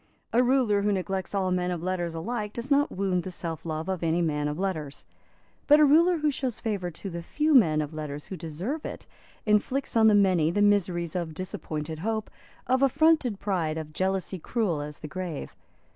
A ruler who neglects all men of letters alike does not wound the self love of any man of letters. But a ruler who shows favour to the few men of letters who deserve it inflicts on the many the miseries of disappointed hope, of affronted pride, of jealousy cruel as the grave.